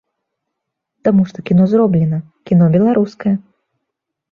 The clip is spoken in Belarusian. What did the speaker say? Таму што кіно зроблена, кіно беларускае.